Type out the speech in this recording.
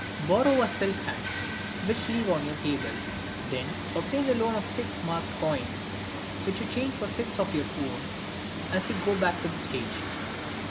Borrow a silk hat, which leave on your table. Then obtain the loan of six marked coins, which you change for six of your own, as you go back to the stage.